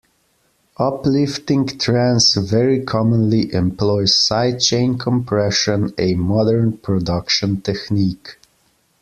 Uplifting trance very commonly employs side-chain compression, a modern production technique.